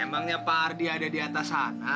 emangnya pak ardi ada di atas sana